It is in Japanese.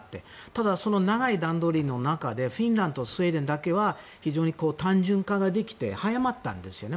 ただ、長い段取りの中でフィンランドとスウェーデンだけは非常に単純化ができて早まったんですよね。